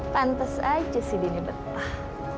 pantes aja si dini betah